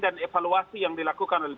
dan evaluasi yang dilakukan oleh